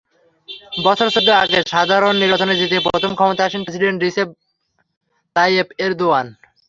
বছর চৌদ্দ আগে সাধারণ নির্বাচনে জিতে প্রথম ক্ষমতায় আসেন প্রেসিডেন্ট রিসেপ তাইয়েপ এরদোয়ান।